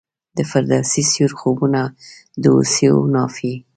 د فردوسي سیورو خوبونه د هوسیو نافي